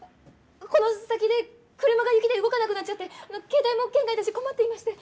この先で車が雪で動かなくなっちゃって携帯も圏外だし困っていまして。